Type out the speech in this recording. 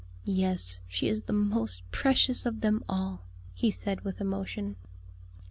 "Yes; she is the most precious of them all," he said with emotion.